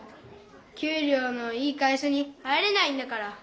給りょうのいい会社に入れないんだから。